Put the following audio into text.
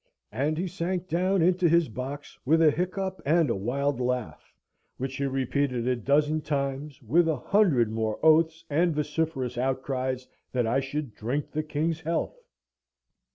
and he sank down into his box with a hiccup and a wild laugh, which he repeated a dozen times, with a hundred more oaths and vociferous outcries that I should drink the King's health.